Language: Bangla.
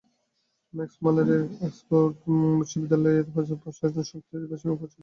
ম্যাক্সমূলার, এফ অক্সফোর্ড বিশ্ববিদ্যালয়ের প্রাচ্যদর্শন ও সংস্কৃতভাষাবিৎ প্রসিদ্ধ জার্মান অধ্যাপক।